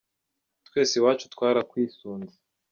Twese iwacu twarakwisunze